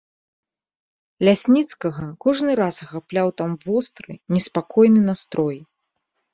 Лясніцкага кожны раз ахапляў там востры неспакойны настрой.